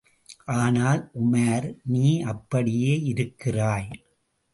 ஆனால், உமார், நீ அப்படியே இருக்கிறாய்.